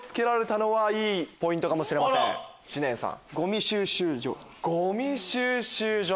知念さん。